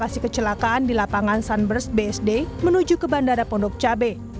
pesawat ini berlokasi kecelakaan di lapangan sunburst bsd menuju ke bandara pondok cabe